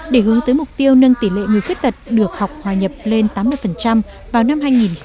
để hướng tới mục tiêu nâng tỷ lệ người khuyết tật được học hòa nhập lên tám mươi vào năm hai nghìn hai mươi